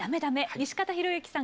西方裕之さん